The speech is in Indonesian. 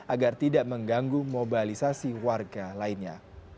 agar tidak mengganggu mobilisasi warga lainnya